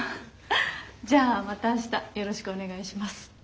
じゃあまた明日よろしくお願いします。